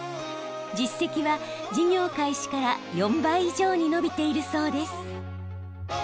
実績は事業開始から４倍以上に伸びているそうです。